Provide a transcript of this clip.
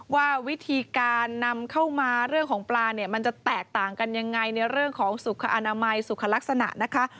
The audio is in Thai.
ว่าวิธีการนำเข้ามาเรื่องของปลาเนี่ยมันจะแตกต่างกันยังไงในเรื่องของสุขอนามัยสุขลักษณะนะคะ